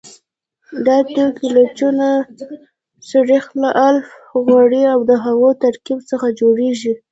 دا توکي له چونه، سريښ، الف غوړي او د هغوی ترکیب څخه جوړیږي.